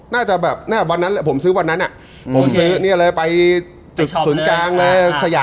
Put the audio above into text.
น่าจะแบบผมซื้อวันนั้นผมซื้อไปสุรริย์กลางเลย